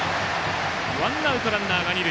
ワンアウトランナーが二塁。